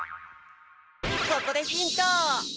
ここでヒント！